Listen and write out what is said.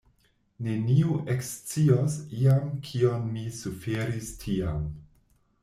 Neniu ekscios iam kion mi suferis tiam.